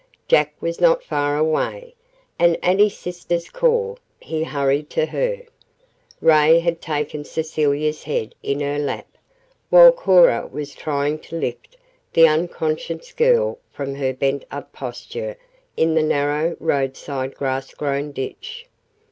Jack was not far away, and at his sister's call he hurried to her. Ray had taken Cecilia's head in her lap, while Cora was trying to lift the unconscious girl from her bent up posture in the narrow, roadside, grass grown ditch.